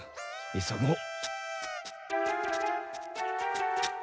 急ごう！